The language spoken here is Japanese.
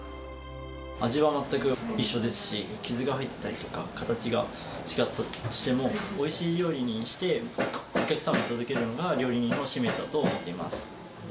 味は全く一緒ですし、傷が入ってたりとか、形が違ったとしても、おいしい料理にして、お客様に届けるのが料理人の使命だと思っています。